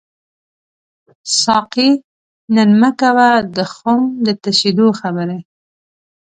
ساقي نن مه کوه د خُم د تشیدو خبري